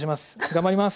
頑張ります。